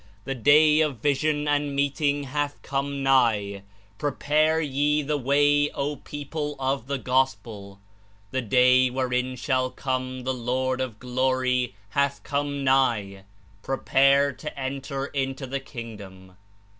The day of vision and meeting hath come nigh. Prepare ye the way, O people of the Gospel ! The day wherein shall come the Lord of Glory hath come nigh; prepare to enter into the Kingdom.'